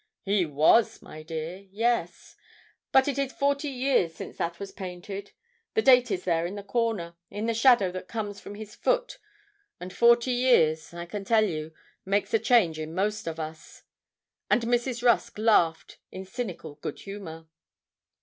'He was, my dear yes; but it is forty years since that was painted the date is there in the corner, in the shadow that comes from his foot, and forty years, I can tell you, makes a change in most of us;' and Mrs. Rusk laughed, in cynical good humour.